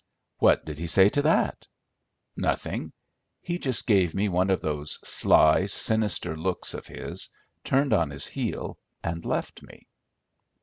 '" "What did he say to that?" "Nothing; he just gave me one of those sly, sinister looks of his, turned on his heel, and left me."